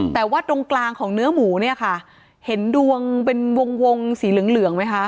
แต่ว่าตรงกลางของเนื้อหมูเนี่ยค่ะเห็นดวงเป็นวงสีเหลืองเหลืองไหมคะ